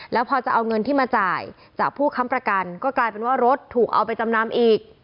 แล้วพอจะเอาเงินที่มาจ่ายจากผู้ค้ำประกันก็กลายเป็นว่ารถถูกเอาไปจำนำอีก